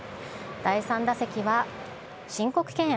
第３打席は、申告敬遠。